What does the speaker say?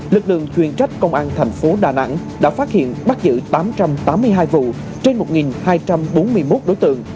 lực lượng chuyên trách công an thành phố đà nẵng đã phát hiện bắt giữ tám trăm tám mươi hai vụ trên một hai trăm bốn mươi một đối tượng